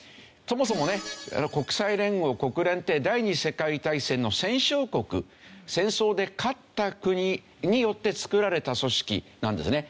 そもそもね国際連合国連って第２次世界大戦の戦勝国戦争で勝った国によって作られた組織なんですね。